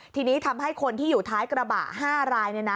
ทีนี้ทำให้คนที่อยู่ท้ายกระบะ๕ราย